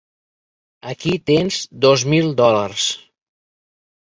Aquí tens dos mil dòlars.